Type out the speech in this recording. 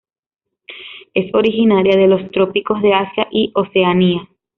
Es originaria de los trópicos de Asia y Oceanía.